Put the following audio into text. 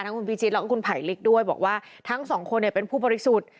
คุณพิชิตแล้วก็คุณไผลลิกด้วยบอกว่าทั้งสองคนเนี่ยเป็นผู้บริสุทธิ์